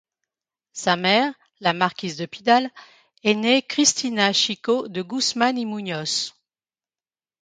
Sa mère, la marquise de Pidal, est née Cristina Chico de Guzmán y Muñoz.